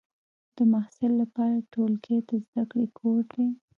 د محصل لپاره ټولګی د زده کړې کور دی.